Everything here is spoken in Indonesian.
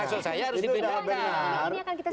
maksud saya harus dipindahkan